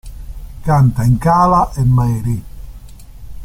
Canta in "Kala" e "Mary".